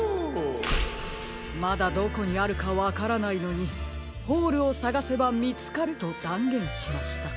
まだどこにあるかわからないのに「ホールをさがせばみつかる」とだんげんしました。